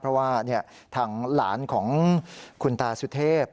เพราะว่าทางหลานของคุณตาสุเทพ